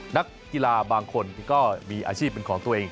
นักกีฬาบางคนก็มีอาชีพเป็นของตัวเอง